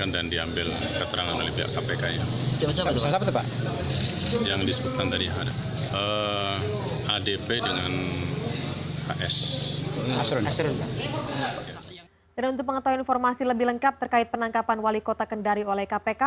dan untuk mengetahui informasi lebih lengkap terkait penangkapan wali kota kendari oleh kpk